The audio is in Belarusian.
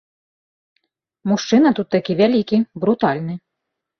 Мужчына тут такі вялікі, брутальны.